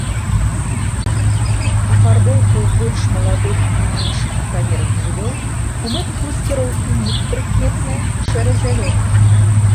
Афарбоўка у больш маладых і меншых ў памерах жывёл у мэтах маскіроўкі непрыкметная, шэра-зялёная.